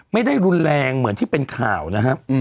ไม่ได้รุนแรงเหมือนที่เป็นข่าวนะครับ